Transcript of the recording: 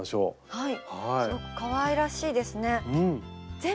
はい。